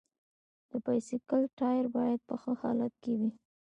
د بایسکل ټایر باید په ښه حالت کې وي.